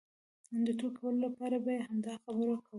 د ټوکې کولو لپاره به یې همدا خبره کوله.